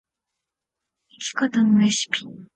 生き方のレシピ